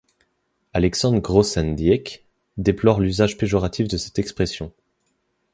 Alexandre Grothendieck déplore l'usage péjoratif de cette expression.